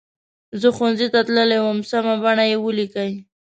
زه ښوونځي ته تللې وم سمه بڼه یې ولیکئ.